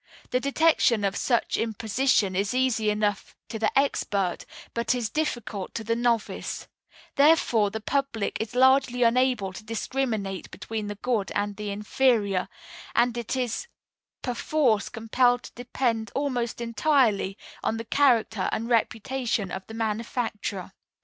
The detection of such imposition is easy enough to the expert, but is difficult to the novice; therefore the public is largely unable to discriminate between the good and the inferior, and it is perforce compelled to depend almost entirely on the character and reputation of the manufacturer.